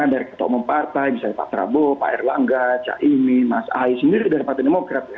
dari ketua umum partai misalnya pak prabowo pak erlangga cak imi mas ai sendiri dari partai demokrat ya